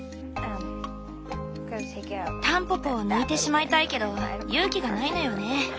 タンポポを抜いてしまいたいけど勇気がないのよね。